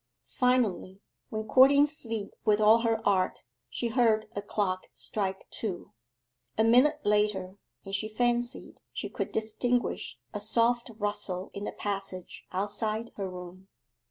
Finally, when courting sleep with all her art, she heard a clock strike two. A minute later, and she fancied she could distinguish a soft rustle in the passage outside her room.